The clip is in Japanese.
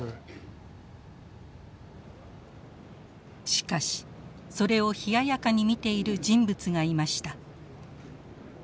しかしそれを冷ややかに見ている人物がいました。